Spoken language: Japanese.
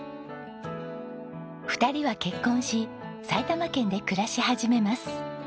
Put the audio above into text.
２人は結婚し埼玉県で暮らし始めます。